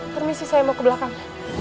permisi saya mau ke belakang